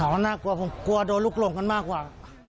มันน่ากลัวผมกลัวโดนลูกหลงกันมากกว่า